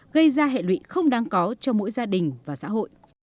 gây ra hệ lụy không đáng có cho mỗi gia đình và xã hội